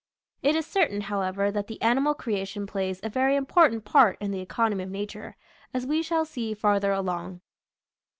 It is certain, however, that the animal creation plays a very important part in the economy of nature, as we shall see farther along.